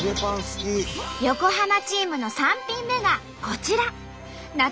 横浜チームの３品目がこちら。